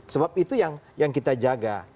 sebab itu yang kita jaga